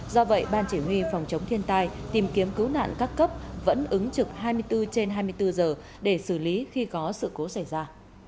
do vậy ban chỉ huy phòng chống thiên tai tìm kiếm cứu nạn các cấp vẫn ứng trực hai mươi bốn trên hai mươi bốn giờ để xử lý khi có sự cố xảy ra